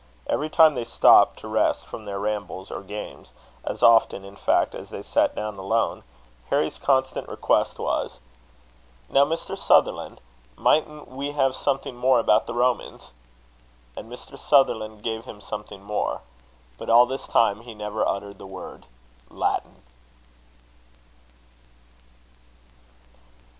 Every time they stopped to rest from their rambles or games as often, in fact, as they sat down alone, Harry's constant request was: "Now, Mr. Sutherland, mightn't we have something more about the Romans?" And Mr. Sutherland gave him something more. But all this time he never uttered the word Latin.